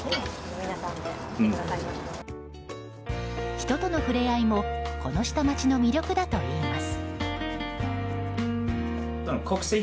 人との触れ合いもこの下町の魅力だといいます。